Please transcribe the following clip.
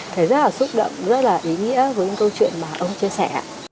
thấy rất là xúc động rất là ý nghĩa với những câu chuyện mà ông chia sẻ